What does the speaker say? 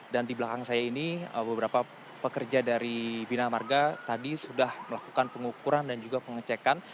dan di belakang saya ini beberapa pekerja dari bina marga tadi sudah melakukan pengukuran dan juga pengecekan